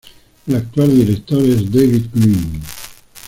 El actual director es David Green.